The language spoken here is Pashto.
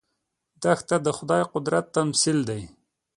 دښته د خدايي قدرت تمثیل دی.